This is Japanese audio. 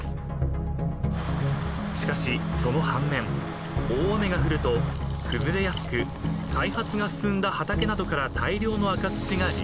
［しかしその反面大雨が降ると崩れやすく開発が進んだ畑などから大量の赤土が流出］